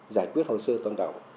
giải quyết hồ sơ tồn động